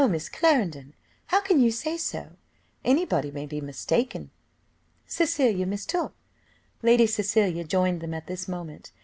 Miss Clarendon, how can you say so? anybody may be mistaken. Cecilia mistook " Lady Cecilia joined them at this moment.